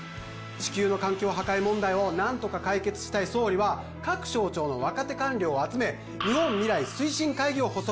地球の環境破壊問題をなんとか解決したい総理は各省庁の若手官僚を集め日本未来推進会議を発足